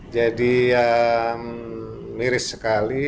jadi miris sekali